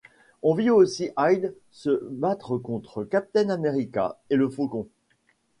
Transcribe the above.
On vit aussi Hyde se battre contre Captain America et le Faucon.